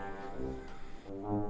mab pertanyaannya umi ralat